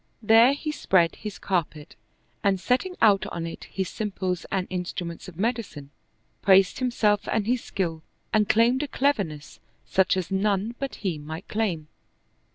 There he spread his cappet and setting out on it his simples and instruments of medicine, praised himself and his skill and claimed a cleverness such as none but he might claim.